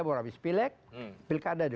berhabis pilik pilkada